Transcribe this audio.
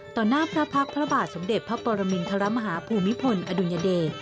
หน้าพระพักษ์พระบาทสมเด็จพระปรมินทรมาฮาภูมิพลอดุลยเดช